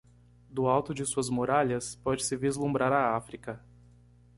Do alto de suas muralhas, pode-se vislumbrar a África.